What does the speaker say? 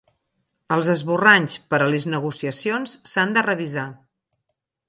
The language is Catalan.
Els esborranys per a les negociacions s'han de revisar.